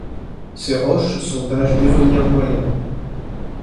Ces roches sont d'âge Dévonien moyen.